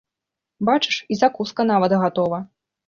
Бачыш, і закуска нават гатова!